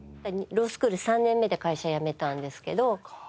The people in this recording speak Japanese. ロースクール３年目で会社辞めたんですけど。